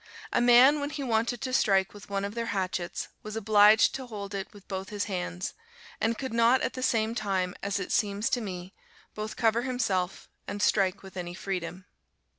A man when he wanted to strike with one of their hatchets, was obliged to hold it with both his hands, and could not at the same time, as it seems to me, both cover himself and strike with any freedom.